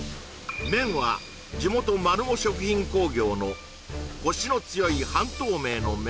麺は地元マルモ食品工業のコシの強い半透明の麺